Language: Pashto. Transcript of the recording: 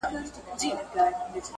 نن يې لکه چې نړیواله ورځ ده